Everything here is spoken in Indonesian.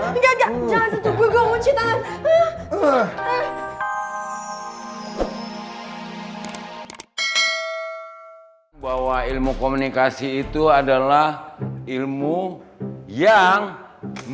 bahwa ilmu komunikasi itu adalah ilmu yang mem